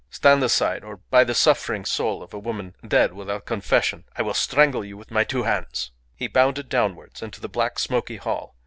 Stand aside or, by the suffering soul of a woman dead without confession, I will strangle you with my two hands." He bounded downwards into the black, smoky hall.